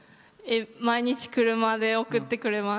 毎日、車で送ってくれます。